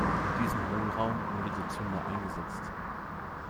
In diesen Hohlraum wurde der Zünder eingesetzt.